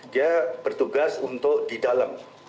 dia bertugas untuk di dalam